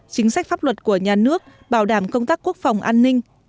chính sách pháp luật của nhà nước bảo đảm công tác quốc phòng an ninh